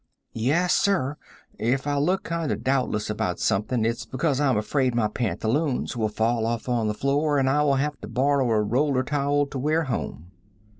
"Yes, sir. If I look kind of doubtless about something, its because I'm afraid my pantaloons will fall off on the floor and I will have to borrow a roller towel to wear home."